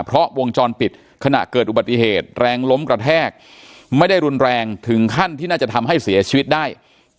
เพราะวงจรปิดขณะเกิดอุบัติเหตุแรงล้มกระแทกไม่ได้รุนแรงถึงขั้นที่น่าจะทำให้เสียชีวิตได้